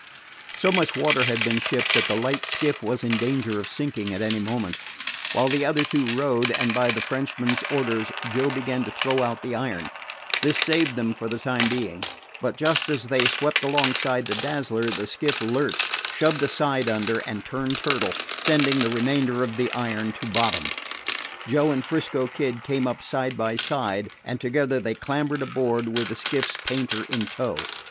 So much water had been shipped that the light skiff was in danger of sinking at any moment. While the other two rowed, and by the Frenchman's orders, Joe began to throw out the iron. This saved them for the time being. But just as they swept alongside the Dazzler the skiff lurched, shoved a side under, and turned turtle, sending the remainder of the iron to bottom. Joe and 'Frisco Kid came up side by side, and together they clambered aboard with the skiff's painter in tow.